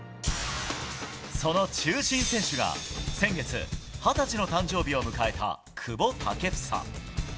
その中心選手が先月、二十歳の誕生日を迎えた久保建英。